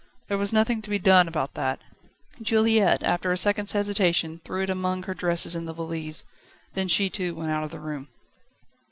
There was nothing to be done about that. Juliette after a second's hesitation threw it among her dresses in the valise. Then she too went out of the room.